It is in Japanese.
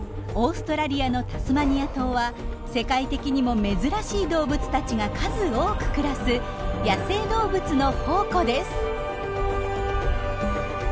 オーストラリアのタスマニア島は世界的にも珍しい動物たちが数多く暮らす野生動物の宝庫です。